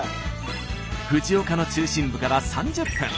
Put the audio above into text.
藤岡の中心部から３０分。